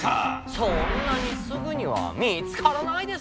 そんなにすぐには見つからないですよ。